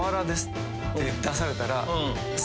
って出されたら。